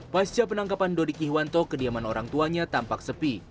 pasca penangkapan dodik ihwanto kediaman orang tuanya tampak sepi